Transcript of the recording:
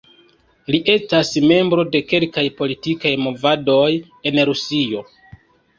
Li estas membro de kelkaj politikaj movadoj en Rusio.